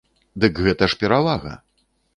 Дык гэта ж перавага!